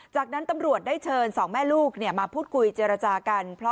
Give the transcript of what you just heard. จากนั้นตำรวจได้เชิญสองแม่ลูกมาพูดคุยเจรจากัน